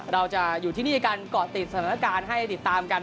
เราอยู่ที่นี่กันกอดติดสอนาการให้ติดตามกัน